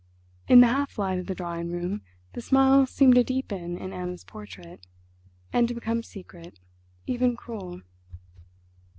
In the half light of the drawing room the smile seemed to deepen in Anna's portrait, and to become secret, even cruel.